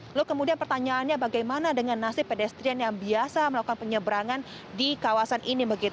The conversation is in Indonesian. lalu kemudian pertanyaannya bagaimana dengan nasib pedestrian yang biasa melakukan penyeberangan di kawasan ini